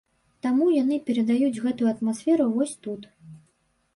Таму яны перадаюць гэтую атмасферу вось тут.